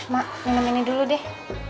mak minum ini dulu deh